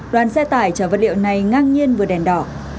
đoàn xe tải chở vật liệu này ngang nhiên vượt đèn đỏ